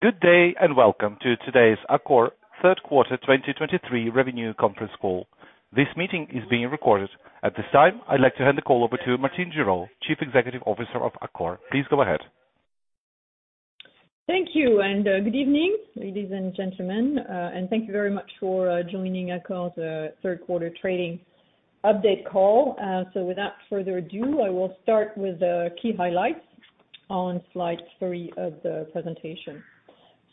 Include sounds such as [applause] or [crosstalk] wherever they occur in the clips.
Good day, and welcome to today's Accor third quarter 2023 revenue conference call. This meeting is being recorded. At this time, I'd like to hand the call over to Martine Gerow, Chief Executive Officer of Accor. Please go ahead. Thank you, and good evening, ladies and gentlemen, and thank you very much for joining Accor's third quarter trading update call. Without further ado, I will start with the key highlights on slide three of the presentation.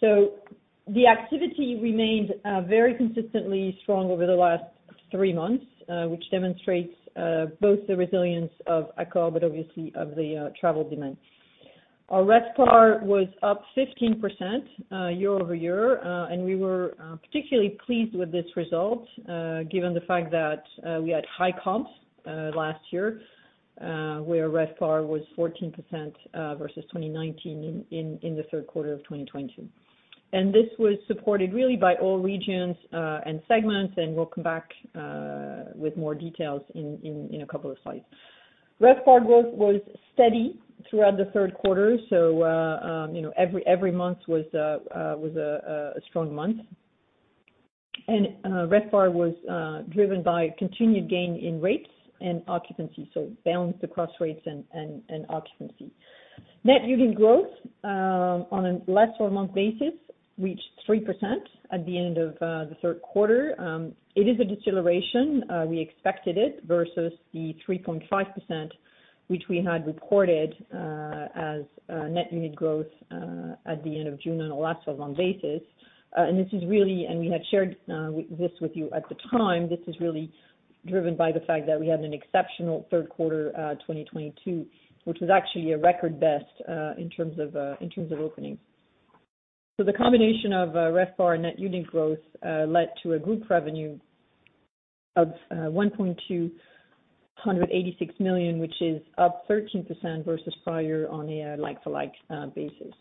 The activity remained very consistently strong over the last three months, which demonstrates both the resilience of Accor, but obviously of the travel demand. Our RevPAR was up 15% year-over-year, and we were particularly pleased with this result, given the fact that we had high comps last year, where RevPAR was 14% versus 2019 in the third quarter of 2020. This was supported really by all regions and segments, and we'll come back with more details in a couple of slides. RevPAR growth was steady throughout the third quarter, you know, every month was a strong month. RevPAR was driven by continued gain in rates and occupancy, so balanced across rates and occupancy. Net unit growth, on a like-for-month basis, reached 3% at the end of the third quarter. It is a deceleration, we expected it, versus the 3.5% which we had reported as net unit growth at the end of June on a like-for-month basis. This is really-- We had shared this with you at the time. This is really driven by the fact that we had an exceptional third quarter, 2022, which was actually a record best, in terms of, in terms of openings. The combination of RevPAR, net unit growth, led to a group revenue of 1.286 billion, which is up 13% versus prior on a like-for-like basis.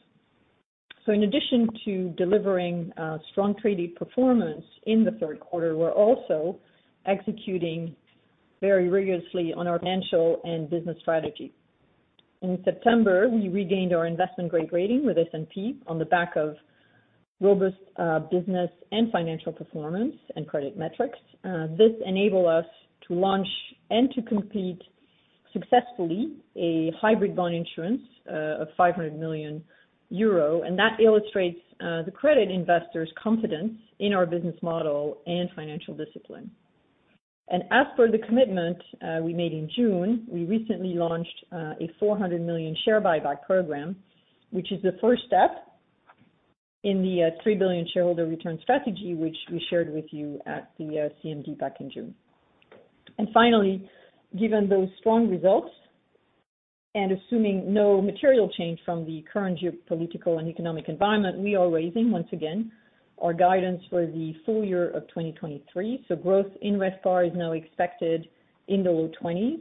In addition to delivering strong trading performance in the third quarter, we're also executing very rigorously on our financial and business strategy. In September, we regained our investment grade rating with S&P on the back of robust business and financial performance and credit metrics. This enables us to launch and to complete successfully a hybrid bond issuance of 500 million euro, and that illustrates the credit investors' confidence in our business model and financial discipline. As for the commitment we made in June, we recently launched a 400 million share buyback program, which is the first step in the 3 billion shareholder return strategy, which we shared with you at the CMD back in June. Finally, given those strong results, and assuming no material change from the current geopolitical and economic environment, we are raising, once again, our guidance for the full year of 2023. Growth in RevPAR is now expected in the low 20s%,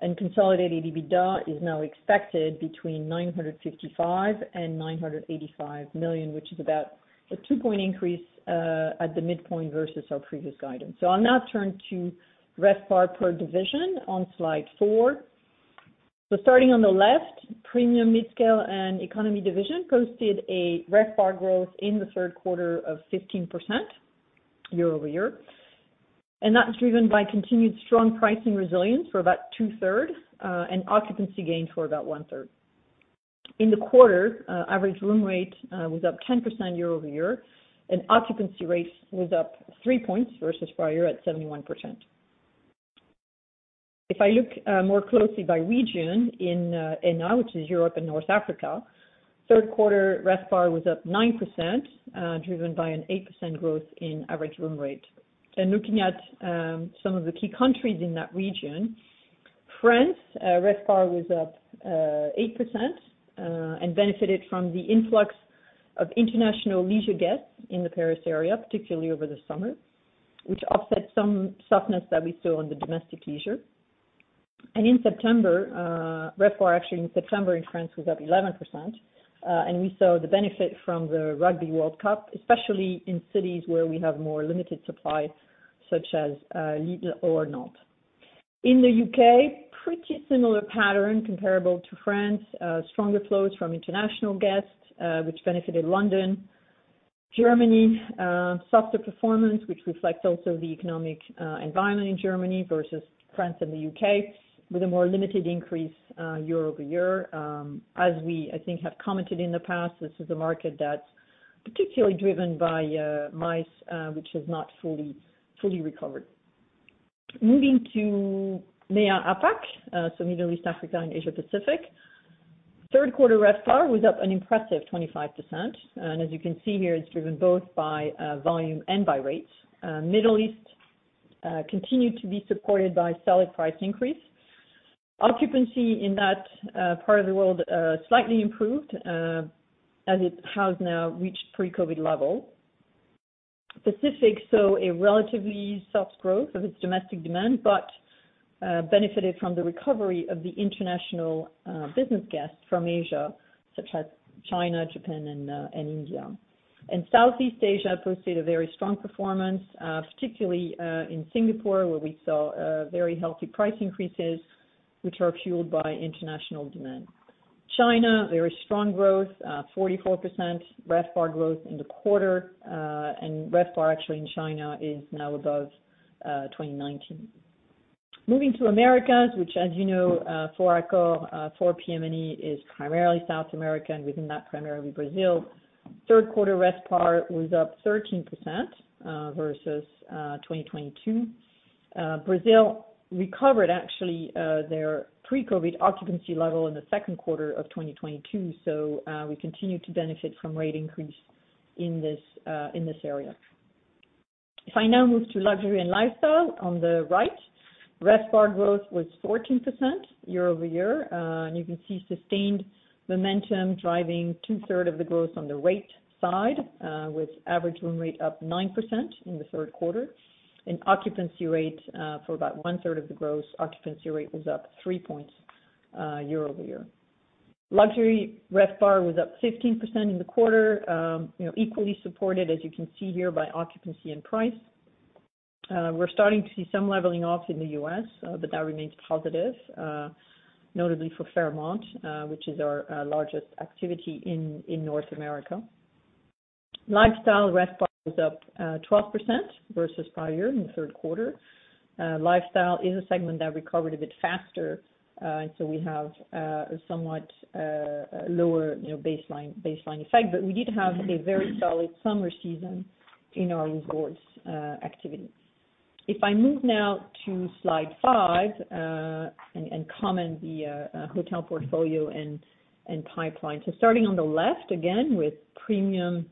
and consolidated EBITDA is now expected between 955 million-985 million, which is about a 2-point increase at the midpoint versus our previous guidance. I'll now turn to RevPAR per division on slide four. Starting on the left, Premium, Midscale, and Economy division posted a RevPAR growth in the third quarter of 15% year-over-year, and that's driven by continued strong pricing resilience for about 2/3 and occupancy gains for about 1/3. In the quarter, average room rate was up 10% year-over-year, and occupancy rates was up 3 points versus prior, at 71%. If I look more closely by region in ENA, which is Europe and North Africa, third quarter RevPAR was up 9%, driven by an 8% growth in average room rate. And looking at some of the key countries in that region, France, RevPAR was up 8%, and benefited from the influx of international leisure guests in the Paris area, particularly over the summer, which offset some softness that we saw on the domestic leisure. And in September, RevPAR, actually in September in France, was up 11%, and we saw the benefit from the Rugby World Cup, especially in cities where we have more limited supply, such as Lille or Nantes. In the U.K., pretty similar pattern comparable to France. Stronger flows from international guests, which benefited London. Germany, softer performance, which reflects also the economic environment in Germany versus France and the U.K., with a more limited increase year-over-year. As we, I think, have commented in the past, this is a market that's particularly driven by MICE, which has not fully, fully recovered. Moving to MEA APAC, Middle East, Africa, and Asia Pacific. Third quarter RevPAR was up an impressive 25%, and as you can see here, it's driven both by volume and by rates. Middle East continued to be supported by solid price increase. Occupancy in that part of the world slightly improved, as it has now reached pre-COVID level. Pacific, a relatively soft growth of its domestic demand, but benefited from the recovery of the international business guests from Asia, such as China, Japan, and India. Southeast Asia posted a very strong performance, particularly in Singapore, where we saw very healthy price increases, which are fueled by international demand. China, very strong growth, 44% RevPAR growth in the quarter, and RevPAR actually in China is now above 2019. Moving to Americas, which, as you know, for Accor, for PM&E, is primarily South America, and within that, primarily Brazil. Third quarter RevPAR was up 13% versus 2022. Brazil recovered actually their pre-COVID occupancy level in the second quarter of 2022. We continue to benefit from rate increase in this area. If I now move to Luxury and Lifestyle on the right, RevPAR growth was 14% year-over-year. And you can see sustained momentum driving 2/3 of the growth on the rate side, with average room rate up 9% in the third quarter, and occupancy rate for about 1/3 of the growth. Occupancy rate was up 3 points year-over-year. Luxury RevPAR was up 15% in the quarter. You know, equally supported, as you can see here, by occupancy and price. We're starting to see some leveling off in the U.S., but that remains positive, notably for Fairmont, which is our largest activity in North America. Lifestyle RevPAR was up 12% versus prior year in the third quarter. Lifestyle is a segment that recovered a bit faster, and so we have a somewhat lower, you know, baseline, baseline effect. We did have a very solid summer season in our resorts, activity. If I move now to slide five, and comment the hotel portfolio and pipeline. Starting on the left, again, with premium,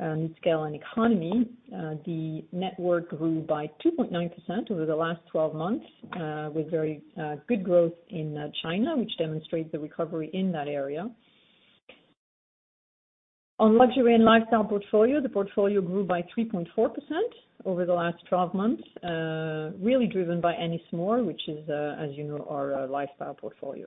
midscale and economy, the network grew by 2.9% over the last 12 months, with very good growth in China, which demonstrates the recovery in that area. On Luxury and Lifestyle portfolio, the portfolio grew by 3.4% over the last 12 months, really driven by Ennismore, which is, as you know, our Lifestyle portfolio.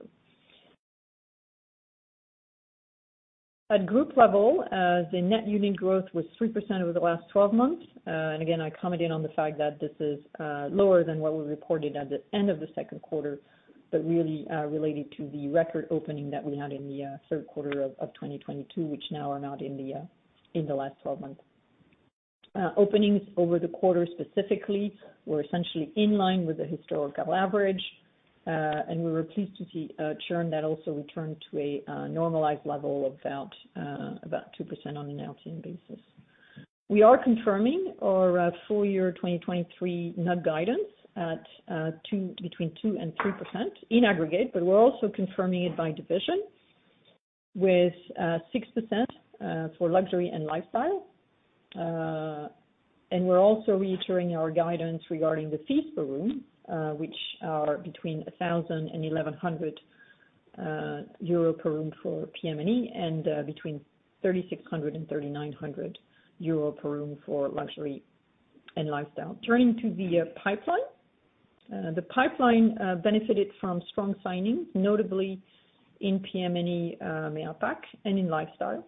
At group level, the net unit growth was 3% over the last 12 months. And again, I commented on the fact that this is lower than what we reported at the end of the second quarter, but really related to the record opening that we had in the third quarter of 2022, which now are not in the last 12 months. Openings over the quarter specifically were essentially in line with the historical average. And we were pleased to see churn that also returned to a normalized level of about 2% on an LTM basis. We are confirming our full year 2023 NUG guidance at between 2% and 3% in aggregate, but we're also confirming it by division, with 6% for Luxury and Lifestyle. And we're also reiterating our guidance regarding the fees per room, which are between 1,000 euro and 1,100 euro per room for PM&E, and between 3,600 and 3,900 euro per room for Luxury and Lifestyle. Turning to the pipeline. The pipeline benefited from strong signings, notably in PM&E, MEA APAC and in Lifestyle.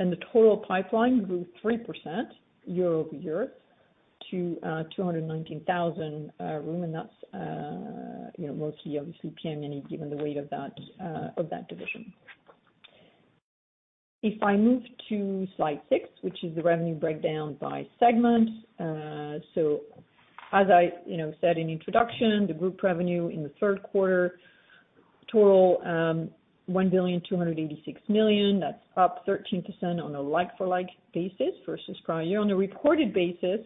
And the total pipeline grew 3% year-over-year to 219,000 room. And that's, you know, mostly obviously PM&E, given the weight of that of that division. If I move to slide six, which is the revenue breakdown by segment. So as I, you know, said in introduction, the group revenue in the third quarter, total, 1.286 billion, that's up 13% on a like-for-like basis versus prior year. On a recorded basis,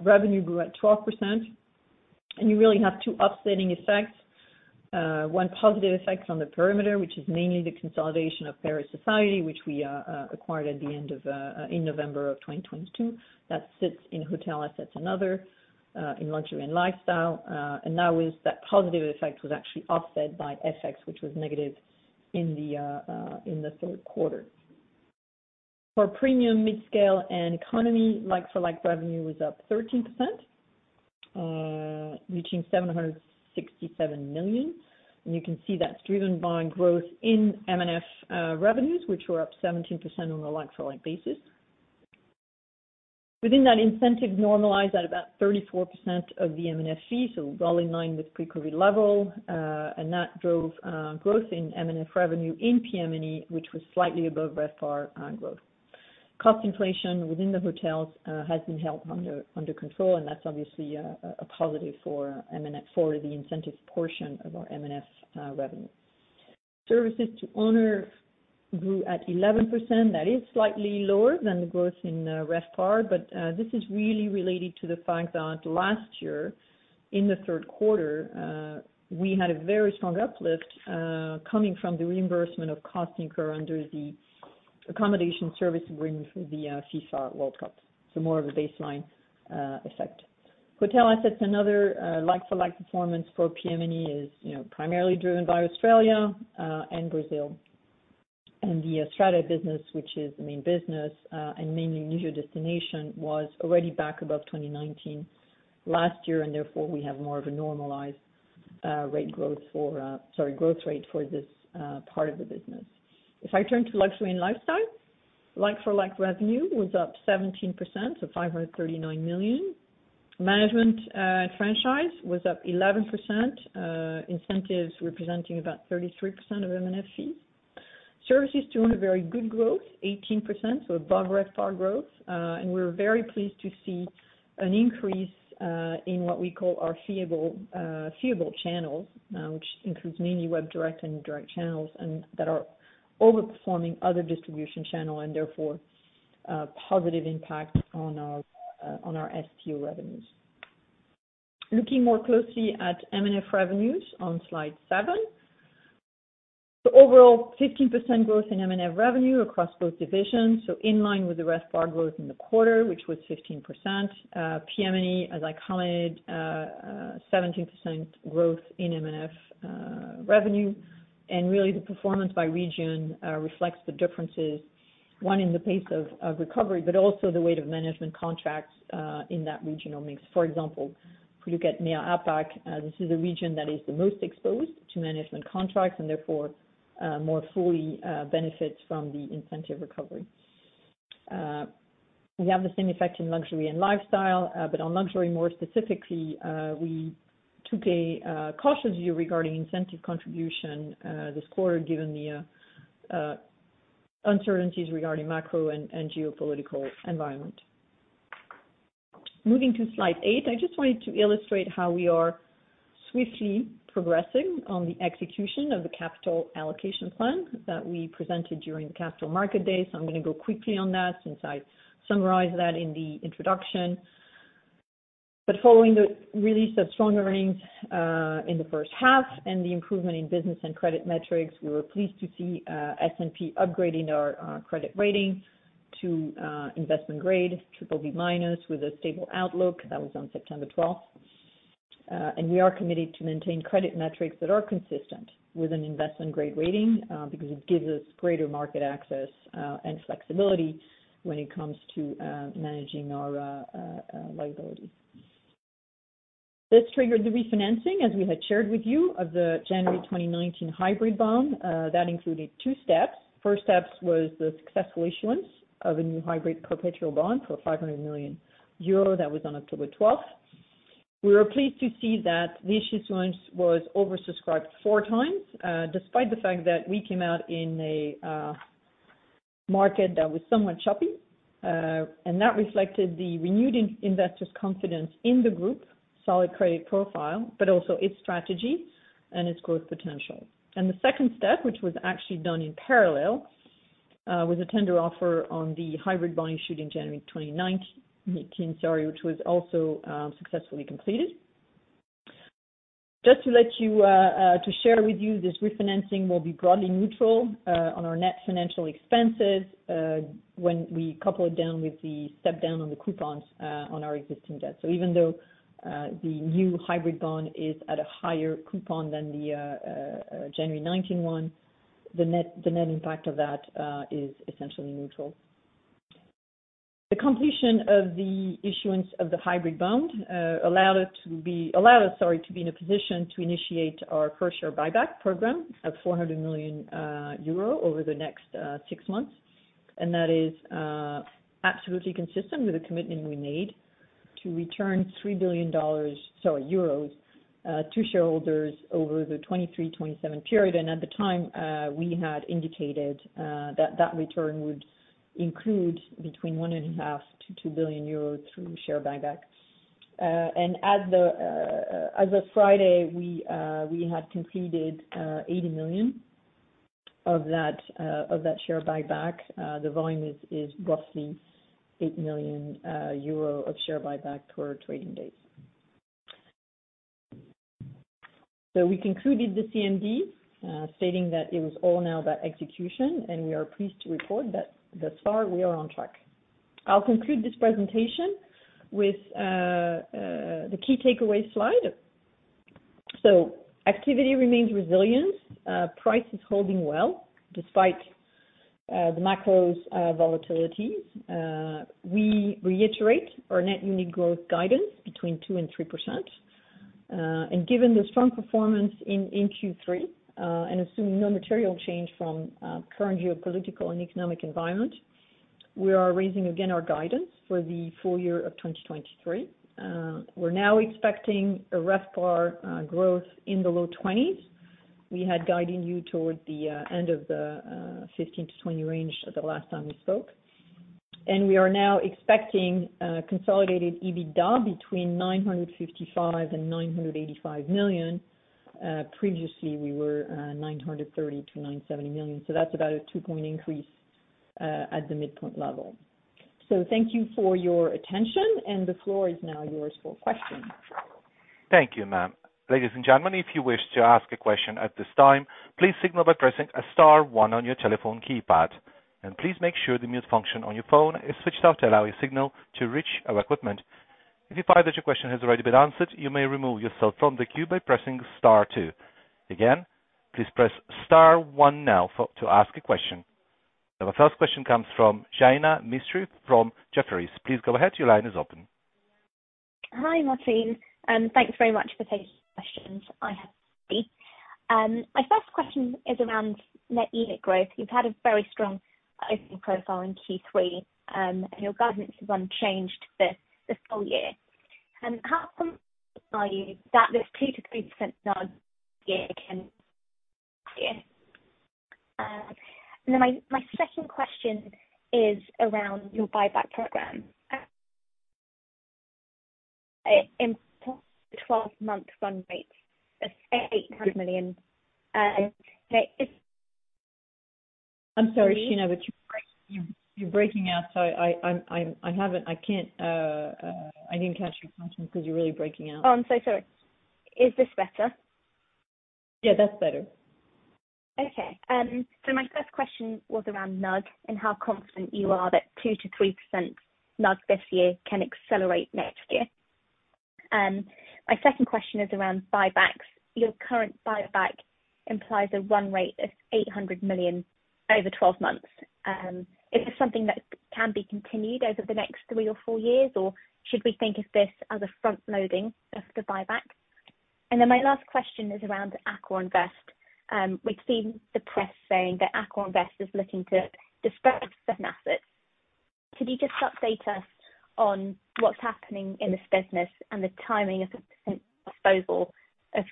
revenue grew at 12%, and you really have two offsetting effects. One, positive effects on the perimeter, which is mainly the consolidation of Paris Society, which we acquired at the end of November of 2022. That sits in hotel assets and other, in Luxury and Lifestyle. That positive effect was actually offset by FX, which was negative in the third quarter. For premium, midscale, and economy, like-for-like revenue was up 13%, reaching 767 million. You can see that's driven by growth in M&F revenues, which were up 17% on a like-for-like basis. Within that, incentive normalized at about 34% of the M&F fees, so well in line with pre-COVID level. That drove growth in M&F revenue in PM&E, which was slightly above RevPAR on growth. Cost inflation within the hotels has been held under control, and that's obviously a positive for M&F, for the incentives portion of our M&F revenue. Services to owner grew at 11%. That is slightly lower than the growth in RevPAR, but this is really related to the fact that last year, in the third quarter, we had a very strong uplift coming from the reimbursement of cost incurred under the accommodation service during the FIFA World Cup, so more of a baseline effect. Hotel assets and other like-for-like performance for PM&E is, you know, primarily driven by Australia and Brazil. The Strata business, which is the main business and mainly leisure destination, was already back above 2019 last year, and therefore, we have more of a normalized rate growth for, sorry, growth rate for this part of the business. If I turn to Luxury and Lifestyle, like-for-like revenue was up 17%, so 539 million. Management franchise was up 11%, incentives representing about 33% of M&F fees. Services [too], had a very good growth, 18%, so above RevPAR growth. We're very pleased to see an increase in what we call our fee-able channels, which includes mainly web direct and indirect channels, and that are overperforming other distribution channel and therefore, positive impact on our STO revenues. Looking more closely at M&F revenues on slide seven. So overall, 15% growth in M&F revenue across both divisions, so in line with the RevPAR growth in the quarter, which was 15%. PM&E, as I commented, 17% growth in M&F revenue. And really, the performance by region reflects the differences, one, in the pace of, of recovery, but also the weight of management contracts in that regional mix. For example, if you look at MEA APAC, this is a region that is the most exposed to management contracts, and therefore, more fully benefits from the incentive recovery. We have the same effect in Luxury and Lifestyle, but on luxury, more specifically, we took a cautious view regarding incentive contribution this quarter, given the uncertainties regarding macro and, and geopolitical environment. Moving to slide eight, I just wanted to illustrate how we are swiftly progressing on the execution of the capital allocation plan that we presented during Capital Market Day. I'm gonna go quickly on that since I summarized that in the introduction. Following the release of strong earnings in the first half and the improvement in business and credit metrics, we were pleased to see S&P upgrading our credit rating to investment-grade, BBB- with a stable outlook. That was on September 12. We are committed to maintain credit metrics that are consistent with an investment-grade rating because it gives us greater market access and flexibility when it comes to managing our liability. This triggered the refinancing, as we had shared with you, of the January 2019 hybrid bond that included two steps. First steps was the successful issuance of a new hybrid perpetual bond for 500 million euro. That was on October 12. We were pleased to see that the issuance was oversubscribed four times, despite the fact that we came out in a market that was somewhat choppy. And that reflected the renewed investors' confidence in the group, solid credit profile, but also its strategy and its growth potential. And the second step, which was actually done in parallel, was a tender offer on the hybrid bond issued in January 2019, 2018, sorry, which was also successfully completed. Just to let you to share with you, this refinancing will be broadly neutral on our net financial expenses, when we couple it down with the step down on the coupons on our existing debt. So even though the new hybrid bond is at a higher coupon than the January 19 [one], the net impact of that is essentially neutral. The completion of the issuance of the hybrid bond allowed us, sorry, to be in a position to initiate our first share buyback program of 400 million euro over the next six months. That is absolutely consistent with the commitment we made to return EUR 3 billion, sorry, euros to shareholders over the 2023-2027 period. At the time we had indicated that that return would include between 1.5 billion-2 billion euros through share buyback. And as of Friday, we had completed 80 million of that share buyback. The volume is, is roughly 8 million euro of share buyback per trading day. We concluded the CMD, stating that it was all now about execution, and we are pleased to report that thus far, we are on track. I'll conclude this presentation with the key takeaway slide. Activity remains resilient, price is holding well, despite the macro's volatility. We reiterate our net unit growth guidance between 2% and 3%. Given the strong performance in Q3, and assuming no material change from current geopolitical and economic environment, we are raising again our guidance for the full year of 2023. We're now expecting a RevPAR growth in the low twenties. We had guided you toward the end of the 15%-20% range the last time we spoke. We are now expecting consolidated EBITDA between 955 million-985 million. Previously, we were 930 million-970 million. That's about a 2-point increase at the midpoint level. Thank you for your attention, and the floor is now yours for questions. Thank you, ma'am. Ladies and gentlemen, if you wish to ask a question at this time, please signal by pressing star one on your telephone keypad. Please make sure the mute function on your phone is switched off to allow a signal to reach our equipment. If you find that your question has already been answered, you may remove yourself from the queue by pressing star two. Again, please press star one now to ask a question.... Our first question comes from Jaina Mistry from Jefferies. Please go ahead, your line is open. Hi, Martine, and thanks very much for taking questions. I have three. My first question is around net unit growth. You've had a very strong opening profile in Q3, and your guidance is unchanged this full year. How come are you that this 2%-3% NUG year can year? My second question is around your buyback program. In 12-month run rates, that's EUR 800 million. And it- I'm sorry, Jaina, but you're breaking out, so I—I'm—I haven't—I can't. I didn't catch your question because you're really breaking out. Oh, I'm so sorry. Is this better? Yeah, that's better. Okay, so my first question was around NUG, and how confident you are that 2%-3% NUG this year can accelerate next year? My second question is around buybacks. Your current buyback implies a run rate of 800 million over 12 months. Is this something that can be continued over the next three or four years, or should we think of this as a front loading of the buyback? And then my last question is around AccorInvest. We've seen the press saying that AccorInvest is looking to dispose of some assets. Could you just update us on what's happening in this business and the timing of the disposal of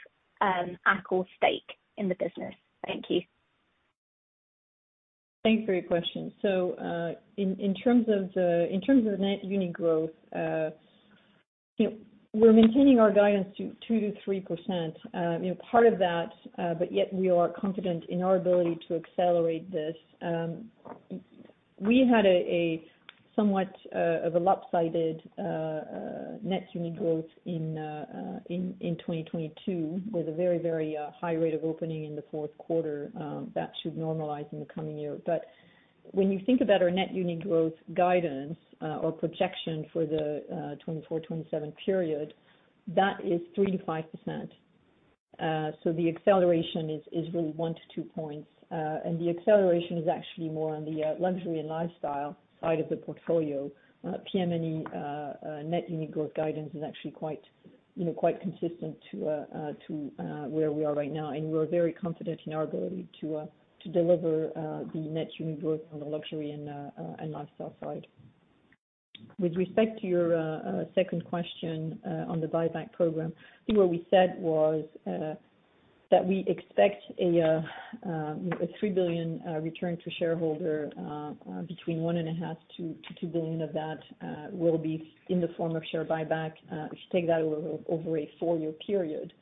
Accor's stake in the business? Thank you. Thanks for your question. In terms of net unit growth, you know, we're maintaining our guidance to 2%-3%. You know, part of that, but yet we are confident in our ability to accelerate this. We had a somewhat lopsided net unit growth in 2022, with a very, very high rate of opening in the fourth quarter. That should normalize in the coming year. When you think about our net unit growth guidance, or projection for the 2024-2027 period, that is 3%-5%. The acceleration is really 1-2 points, and the acceleration is actually more on the Luxury and Lifestyle side of the portfolio. PM&E net unit growth guidance is actually quite, you know, quite consistent to where we are right now. We're very confident in our ability to deliver the net unit growth on the Luxury and Lifestyle side. With respect to your second question on the buyback program, I think what we said was that we expect a 3 billion return to shareholder, between 1.5 billion-2 billion of that will be in the form of share buyback. If you take that over a four-year period,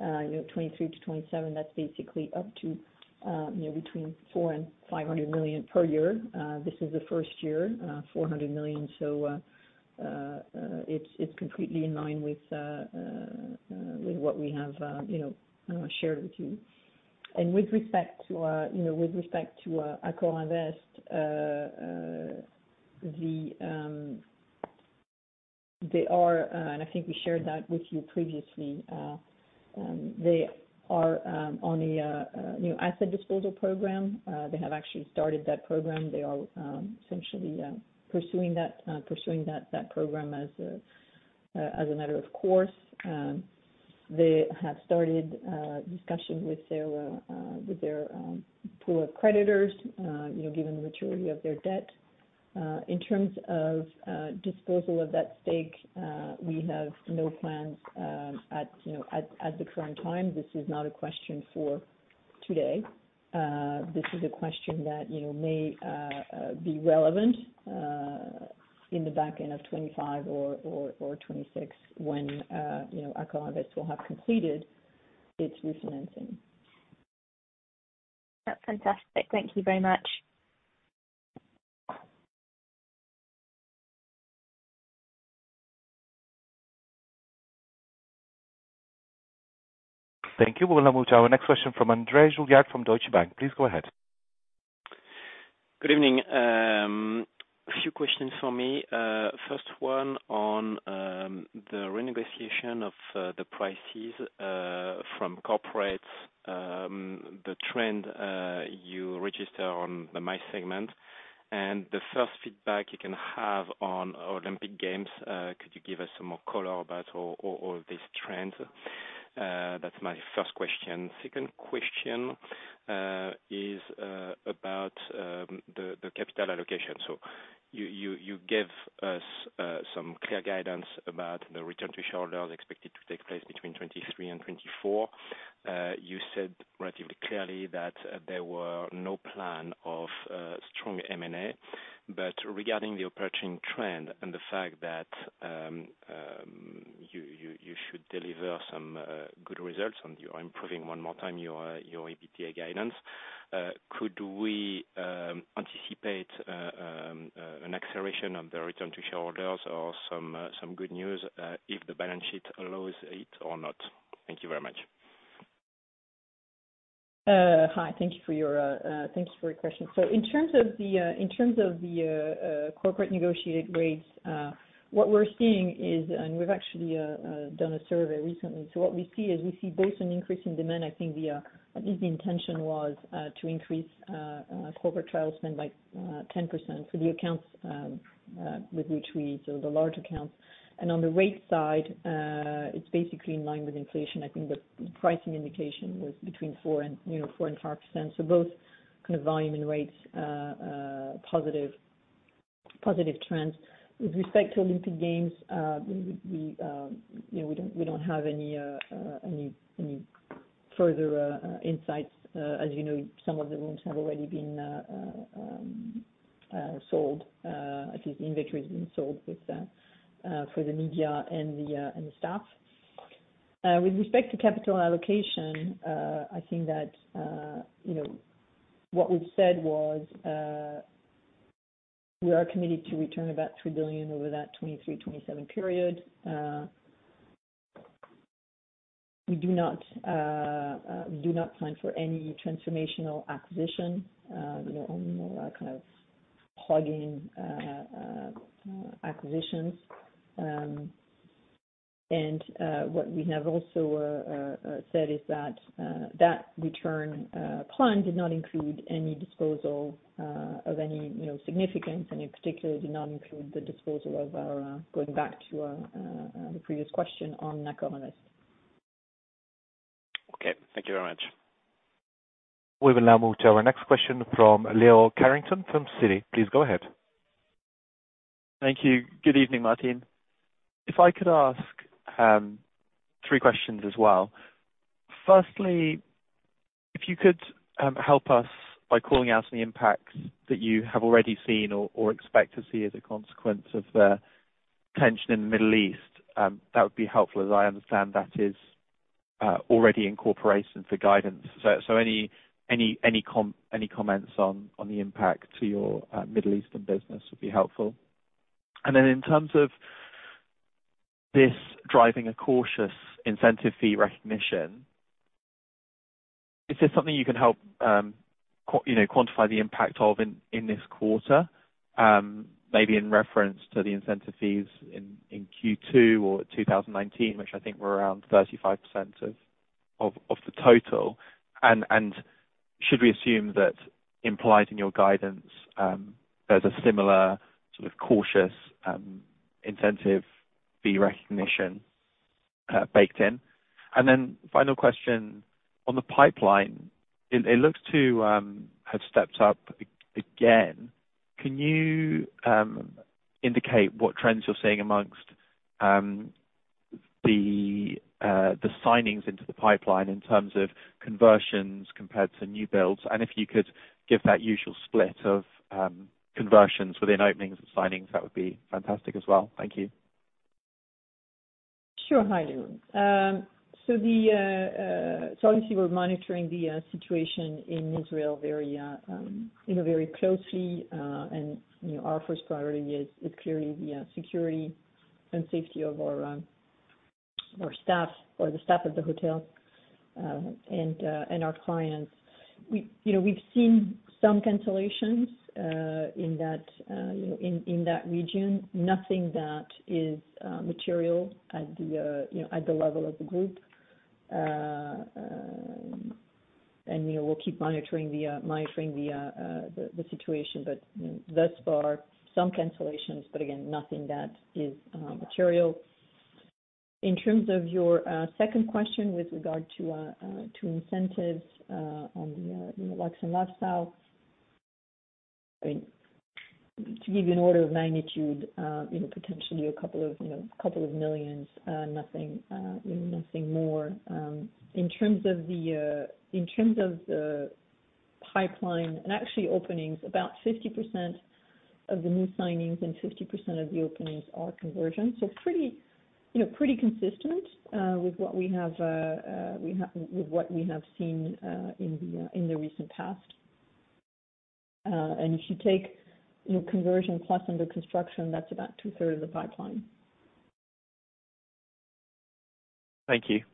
you know, 2023 to 2027, that's basically up to, you know, between 400 million-500 million per year. This is the first year, 400 million. So, it's completely in line with what we have, you know, shared with you. And with respect to, you know, with respect to AccorInvest, they are, and I think we shared that with you previously, they are on a new asset disposal program. They have actually started that program. They are essentially pursuing that, pursuing that program as a matter of course. They have started discussions with their pool of creditors, you know, given the maturity of their debt. In terms of disposal of that stake, we have no plans at, you know, at the current time. This is not a question for today. This is a question that, you know, may be relevant in the back end of 2025 or 2026, when, you know, AccorInvest will have completed its refinancing. That's fantastic. Thank you very much. Thank you. We'll now move to our next question from André Juillard, from Deutsche Bank. Please go ahead. Good evening. A few questions from me. First one on the renegotiation of the prices from corporates, the trend you register on the MICE segment, and the first feedback you can have on Olympic Games. Could you give us some more color about all these trends? That's my first question. Second question is about the capital allocation. So you gave us some clear guidance about the return to shareholders expected to take place between 2023 and 2024. You said relatively clearly that there were no plan of strong M&A, but regarding the approaching trend and the fact that you should deliver some good results on the improving one more time, your EBITDA guidance, could we anticipate an acceleration of the return to shareholders or some good news, if the balance sheet allows it or not? Thank you very much. ... Hi. Thank you for your thank you for your question. So in terms of the, in terms of the, corporate negotiated rates, what we're seeing is, and we've actually done a survey recently. So what we see is, we see both an increase in demand, I think the, at least the intention was, to increase corporate travel spend by 10%. So the accounts, with which we-- So the large accounts. And on the rate side, it's basically in line with inflation. I think the pricing indication was between 4% and 5%. So both kind of volume and rates, positive, positive trends. With respect to Olympic Games, you know, we don't have any further insights. As you know, some of the rooms have already been sold, at least the inventory has been sold with for the media and the staff. With respect to capital allocation, I think that, you know, what we've said was, we are committed to return about 3 billion over that 2023-2027 period. We do not plan for any transformational acquisition, you know, more like, kind of, plug-in acquisitions. What we have also said is that that return plan did not include any disposal of any, you know, significance, and in particular did not include the disposal of our, going back to the previous question on. [audio distortion] Okay, thank you very much. We will now move to our next question from Leo Carrington from Citi. Please go ahead. Thank you. Good evening, Martine. If I could ask three questions as well. Firstly, if you could help us by calling out any impacts that you have already seen or expect to see as a consequence of the tension in the Middle East, that would be helpful, as I understand that is already incorporated in guidance. So any comments on the impact to your Middle Eastern business would be helpful. And then, in terms of this driving a cautious incentive fee recognition, is this something you can help you know quantify the impact of in this quarter? Maybe in reference to the incentive fees in Q2 or 2019, which I think were around 35% of the total. Should we assume that implied in your guidance, there's a similar sort of cautious incentive fee recognition baked in? And then, final question, on the pipeline, it looks to have stepped up again. Can you indicate what trends you're seeing among the signings into the pipeline in terms of conversions compared to new builds? And if you could give that usual split of conversions within openings and signings, that would be fantastic as well. Thank you. Sure. Hi, Leo. Obviously we're monitoring the situation in Israel very closely. You know, our first priority is clearly the security and safety of our staff or the staff of the hotel, and our clients. We've seen some cancellations in that region. Nothing that is material at the level of the group. You know, we'll keep monitoring the situation, but, you know, thus far, some cancellations, but again, nothing that is material. In terms of your second question with regard to incentives on the, you know, luxe and lifestyle. I mean, to give you an order of magnitude, you know, potentially a couple of, you know, couple of million, nothing more. In terms of the pipeline, and actually openings, about 50% of the new signings and 50% of the openings are conversions. So pretty, you know, pretty consistent, with what we have seen, in the recent past. And if you take your conversion plus under construction, that's about 2/3 of the pipeline. Thank you.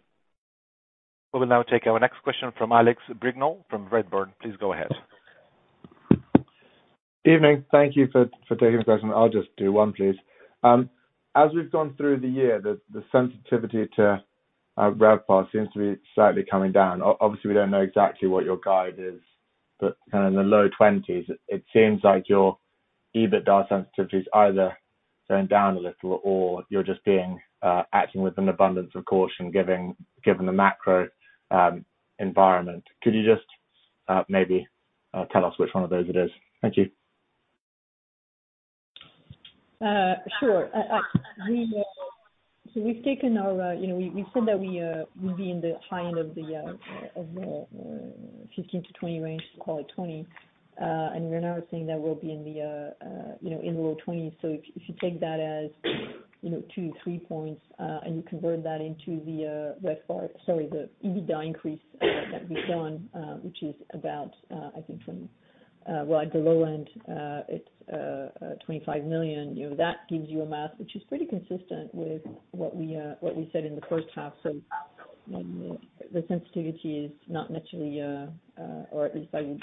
We will now take our next question from Alex Brignall, from Redburn. Please go ahead. Evening. Thank you for taking the question. I'll just do one, please. As we've gone through the year, the sensitivity to RevPAR seems to be slightly coming down. Obviously, we don't know exactly what your guide is, but kind of in the low twenties, it seems like your EBITDA sensitivity is either going down a little or you're just acting with an abundance of caution given the macro environment. Could you just maybe tell us which one of those it is? Thank you. Sure. We, you know, we've said that we will be in the high end of the 15%-20% range, call it 20%. We're now saying that we'll be in the low 20s%. If you take that as, you know, 2, 3 points, and you convert that into the RevPAR, sorry, the EBITDA increase that we've done, which is about, I think from—well, at the low end, it's 25 million. You know, that gives you a math which is pretty consistent with what we said in the first half. The sensitivity is not necessarily, or at least I would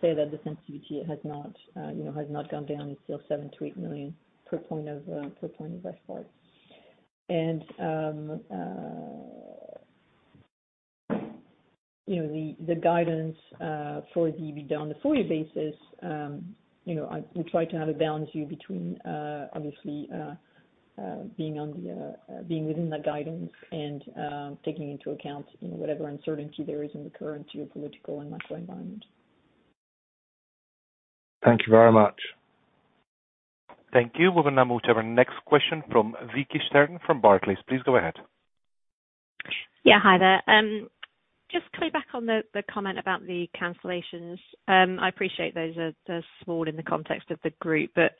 say that the sensitivity has not, you know, has not gone down, it's still 7 million-8 million per point of RevPAR. The guidance for the EBITDA on the full year basis, you know, we try to have a balance here between, obviously, being within the guidance and taking into account, you know, whatever uncertainty there is in the current geopolitical and macro environment. Thank you very much. Thank you. We're gonna move to our next question from Vicki Stern from Barclays. Please go ahead. Yeah, hi there. Just quickly back on the comment about the cancellations. I appreciate those are, they're small in the context of the group, but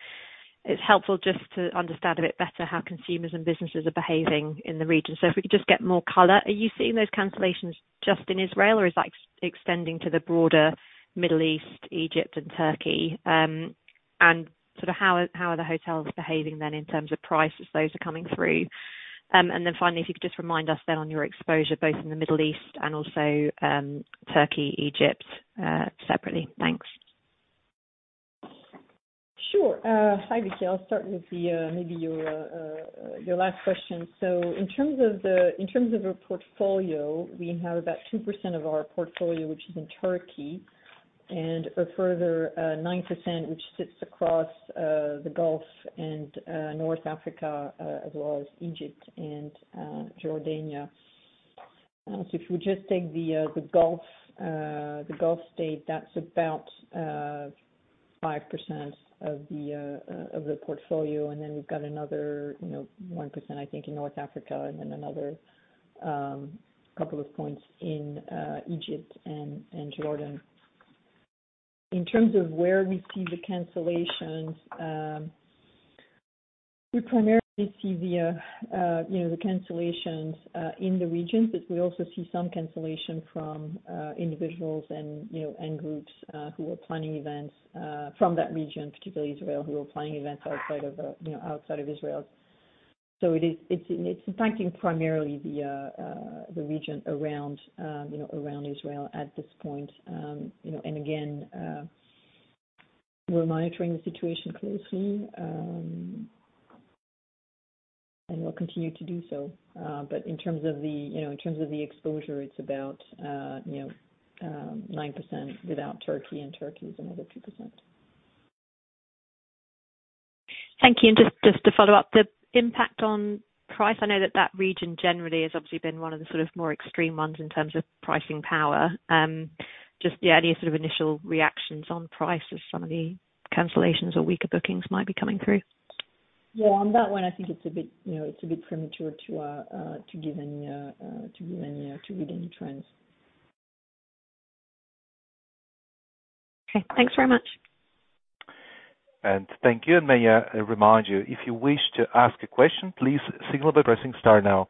it's helpful just to understand a bit better how consumers and businesses are behaving in the region. So if we could just get more color. Are you seeing those cancellations just in Israel, or is that extending to the broader Middle East, Egypt and Turkey? And sort of how are the hotels behaving then, in terms of prices those are coming through? And then finally, if you could just remind us then on your exposure, both in the Middle East and also, Turkey, Egypt, separately. Thanks. Sure. Hi, Vicki. I'll start with maybe your last question. So in terms of our portfolio, we have about 2% of our portfolio, which is in Turkey, and a further 9%, which sits across the Gulf and North Africa, as well as Egypt and Jordan. So if we just take the Gulf, the Gulf state, that's about 5% of the portfolio, and then we've got another, you know, 1%, I think, in North Africa, and then another couple of points in Egypt and Jordan. In terms of where we see the cancellations, we primarily see the, you know, the cancellations, in the region, but we also see some cancellation from, individuals and, you know, and groups, who were planning events, from that region, particularly Israel, who were planning events outside of, you know, outside of Israel. So it is, it's impacting primarily the, the region around, you know, around Israel at this point. You know, and again, we're monitoring the situation closely, and we'll continue to do so. But in terms of the, you know, in terms of the exposure, it's about, you know, 9% without Turkey, and Turkey is another 2%. Thank you. And just, just to follow up, the impact on price, I know that that region generally has obviously been one of the sort of more extreme ones in terms of pricing power. Just, yeah, any sort of initial reactions on price as some of the cancellations or weaker bookings might be coming through? Yeah, on that one, I think it's a bit, you know, it's a bit premature to give any to read any trends. Okay, thanks very much. Thank you. May I remind you, if you wish to ask a question, please signal by pressing star now.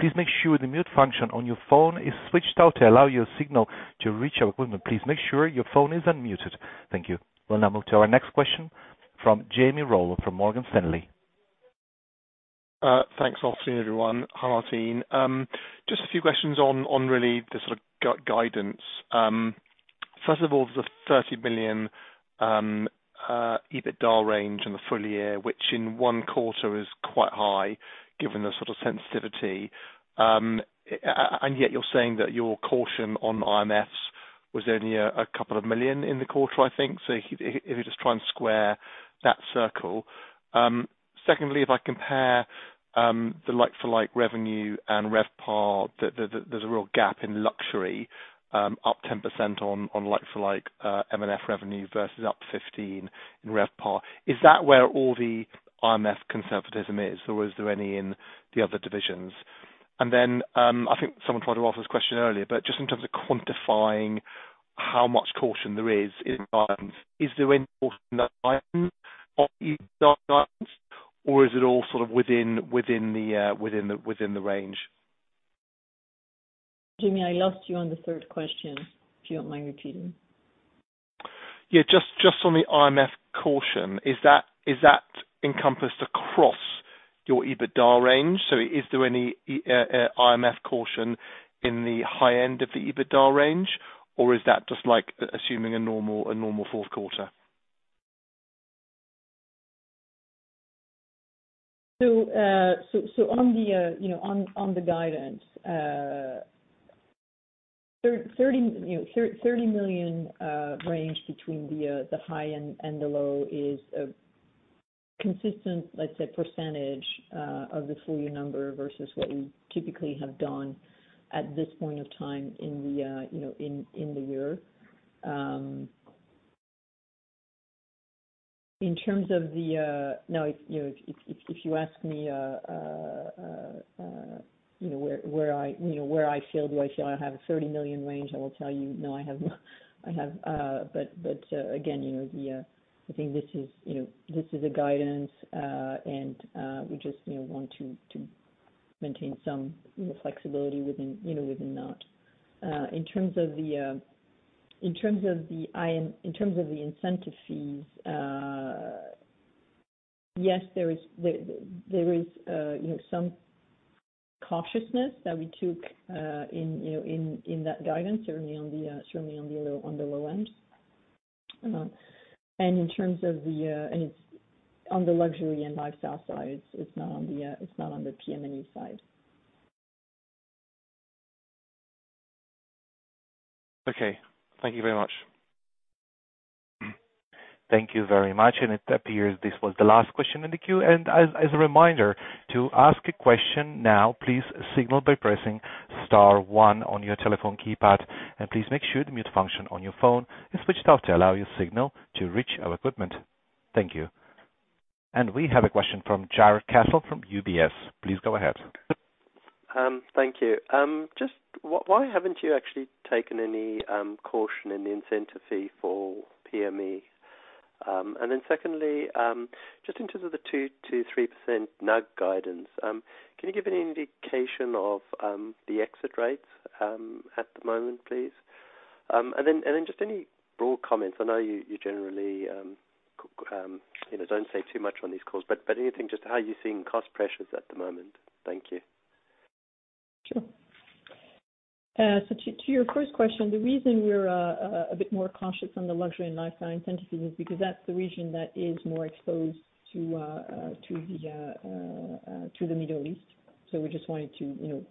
Please make sure the mute function on your phone is switched out to allow your signal to reach our equipment. Please make sure your phone is unmuted. Thank you. We'll now move to our next question from Jamie Rollo, from Morgan Stanley. Thanks, Augustine, everyone. Hi, Martine. Just a few questions on really the sort of guidance. First of all, the 30 million EBITDA range in the full year, which in one quarter is quite high, given the sort of sensitivity. And yet you're saying that your caution on IMFs was only a couple of million in the quarter, I think. So if you just try and square that circle. Secondly, if I compare the like-for-like revenue and RevPAR, there's a real gap in luxury, up 10% on like-for-like M&F revenue versus up 15% in RevPAR. Is that where all the IMF conservatism is, or was there any in the other divisions? And then, I think someone tried to ask this question earlier, but just in terms of quantifying how much caution there is in guidance, is there any caution in that guidance? Or is it all sort of within the range? Jamie, I lost you on the third question, if you don't mind repeating. Yeah, just on the IMF caution, is that encompassed across your EBITDA range? So is there any IMF caution in the high end of the EBITDA range, or is that just like assuming a normal fourth quarter? On the guidance, 30 million range between the high end and the low is a consistent, let's say, percentage of the full year number versus what we typically have done at this point in the year. In terms of the. Now, if you ask me where I feel, do I feel I have a 30 million range, I will tell you, "No, I have, I have." But again, I think this is a guidance, and we just want to maintain some flexibility within that. In terms of the incentive fees, yes, there is, you know, some cautiousness that we took, you know, in that guidance, certainly on the low end. And it's on the Luxury and Lifestyle side. It's not on the PM&E side. Okay, thank you very much. Thank you very much, and it appears this was the last question in the queue. As a reminder, to ask a question now, please signal by pressing star one on your telephone keypad, and please make sure the mute function on your phone is switched off to allow your signal to reach our equipment. Thank you. We have a question from Jarrod Castle from UBS. Please go ahead. Thank you. Just why, why haven't you actually taken any caution in the incentive fee for PM&E? And then secondly, just in terms of the 2%-3% NUG guidance, can you give any indication of the exit rates at the moment, please? And then just any broad comments. I know you, you generally, you know, don't say too much on these calls, but anything, just how you're seeing cost pressures at the moment. Thank you. Sure. So to your first question, the reason we're a bit more cautious on the Luxury and Lifestyle incentive fee is because that's the region that is more exposed to the Middle East. So we just wanted to, you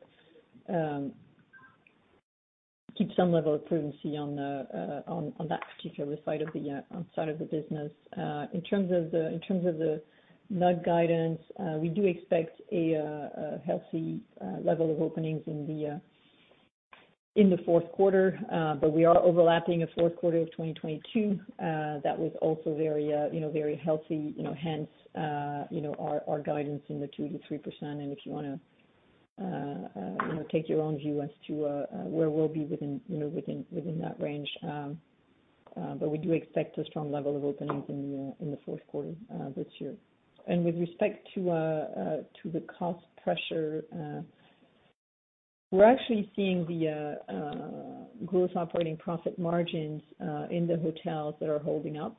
know, keep some level of prudency on that particular side of the business. In terms of the NUG guidance, we do expect a healthy level of openings in the fourth quarter. But we are overlapping a fourth quarter of 2022 that was also very, you know, very healthy, you know. Hence, you know, our guidance in the 2%-3%, and if you wanna, you know, take your own view as to, where we'll be within, you know, within that range. But we do expect a strong level of openings in the fourth quarter this year. And with respect to, to the cost pressure, we're actually seeing the growth operating profit margins in the hotels that are holding up.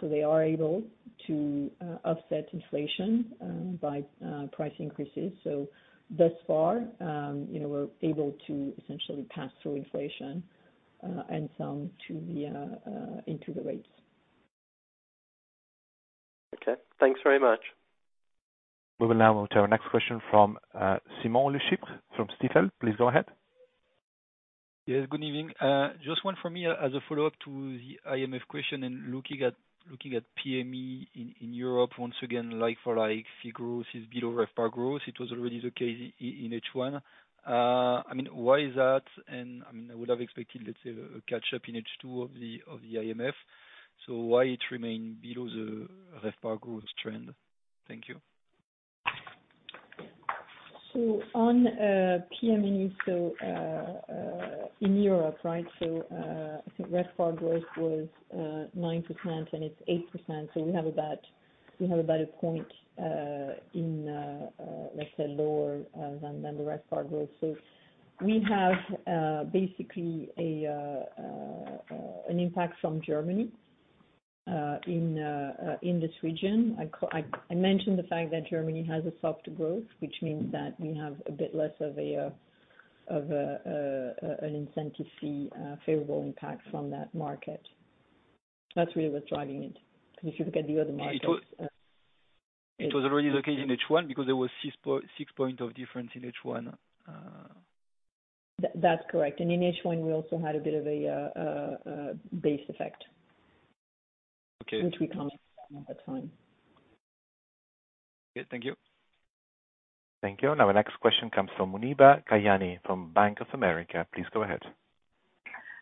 So they are able to offset inflation by price increases. So thus far, you know, we're able to essentially pass through inflation and some to the into the rates. Okay. Thanks very much. We will now move to our next question from Simon Lechipre from Stifel. Please go ahead. Yes, good evening. Just one from me as a follow-up to the IMF question and looking at PM&E in Europe once again, like-for-like fee growth is below RevPAR growth. It was already the case in H1. I mean, why is that? And, I mean, I would have expected, let's say, a catch up in H2 of the IMF. So why it remain below the RevPAR growth trend? Thank you. So on PM&E, in Europe, right? So I think RevPAR growth was 9%, and it's 8%, so we have about a point, let's say, lower than the RevPAR growth. So we have basically an impact from Germany in this region. I mentioned the fact that Germany has a soft growth, which means that we have a bit less of an incentive fee favorable impact from that market. That's really what's driving it, because if you look at the other markets- It was already the case in H1, because there was 6 points of difference in H1. That's correct. In H1, we also had a bit of a base effect. Okay. Which we commented at the time. Okay, thank you. Thank you. Now our next question comes from Muneeba Kayani from Bank of America. Please go ahead.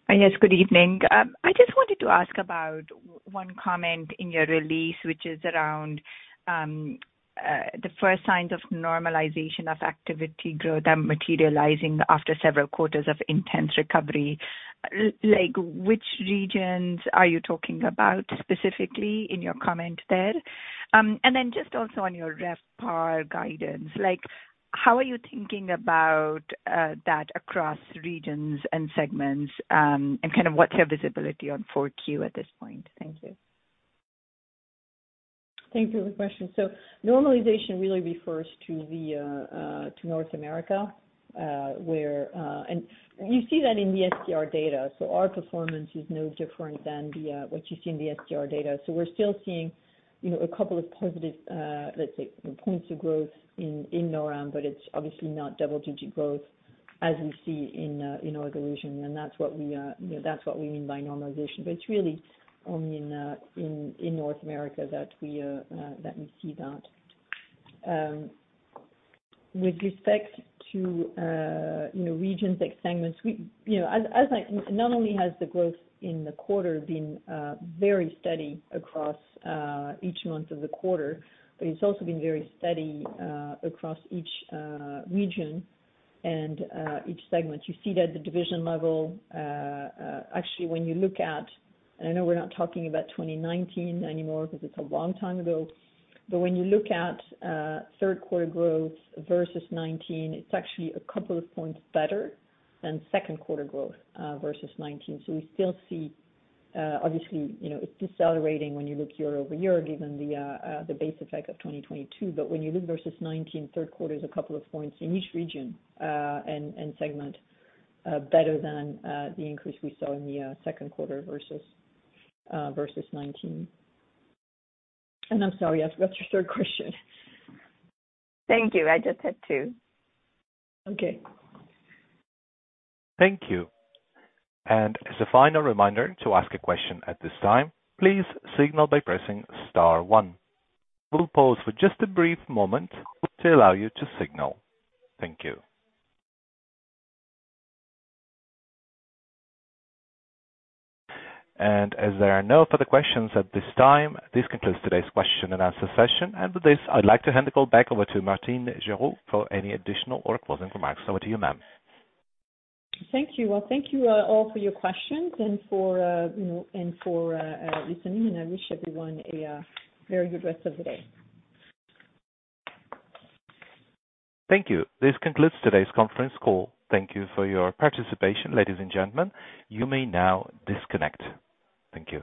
Yes, good evening. I just wanted to ask about one comment in your release, which is around the first signs of normalization of activity growth are materializing after several quarters of intense recovery. Like, which regions are you talking about, specifically, in your comment there? And then just also on your RevPAR guidance, like, how are you thinking about that across regions and segments, and kind of what's your visibility on Q4 at this point? Thank you. Thank you for the question. So normalization really refers to North America, where... And you see that in the STR data. So our performance is no different than what you see in the STR data. So we're still seeing, you know, a couple of positive, let's say, points of growth in NorAm, but it's obviously not double-digit growth as you see in our collision, and that's what we, you know, that's what we mean by normalization. But it's really only in North America that we see that. With respect to, you know, regions like segments, you know, as I not only has the growth in the quarter been very steady across each month of the quarter, but it's also been very steady across each region and each segment. You see that at the division level, actually, when you look at-- and I know we're not talking about 2019 anymore, because it's a long time ago. But when you look at third quarter growth versus 2019, it's actually a couple of points better than second quarter growth versus 2019. So we still see, obviously, you know, it's decelerating when you look year-over-year, given the base effect of 2022. But when you look versus 2019, third quarter is a couple of points in each region and segment better than the increase we saw in the second quarter versus 2019. And I'm sorry, I forgot your third question. Thank you. I just had two. Okay. Thank you. As a final reminder to ask a question at this time, please signal by pressing star one. We'll pause for just a brief moment to allow you to signal. Thank you. As there are no further questions at this time, this concludes today's question and answer session. With this, I'd like to hand the call back over to Martine Gerow for any additional or closing remarks. Over to you, ma'am. Thank you. Well, thank you all for your questions and for, you know, listening, and I wish everyone a very good rest of the day. Thank you. This concludes today's conference call. Thank you for your participation, ladies and gentlemen. You may now disconnect. Thank you.